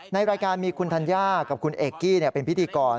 ในรายการมีคุณธัญญากับคุณเอกกี้เป็นพิธีกร